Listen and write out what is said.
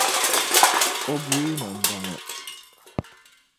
o buyi ni n-bɔ ŋɔ.